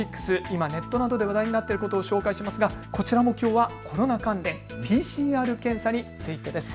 今ネットなどで話題になっていることを紹介しますがこちらもきょうはコロナ関連、ＰＣＲ検査についてです。